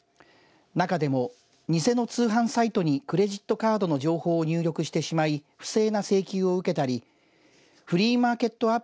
中でも偽の通販サイトにクレジットカードの情報を入力してしまい不正な請求を受けたりフリーマーケット